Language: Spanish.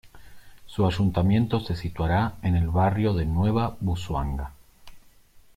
Su ayuntamiento se situará en el barrio de Nueva Busuanga.